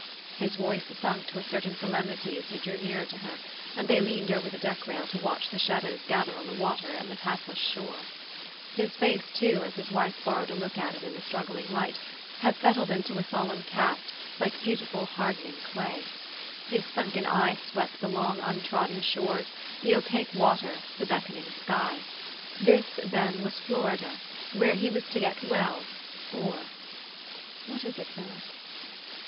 His voice sunk to a certain solemnity as he drew nearer to her, and they leaned over the deck rail to watch the shadows gather on the water and the pathless shore. His face, too, as his wife borrowed a look at it in the struggling light, had settled into a solemn cast, like beautiful hardening cla}'. His sunken eye swept the long untrodden shores, the opaque water, the beckoning sky. This, then, was Florida, where he was to get well, or 44 What is it, Philip?"